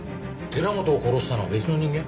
寺本を殺したのは別の人間？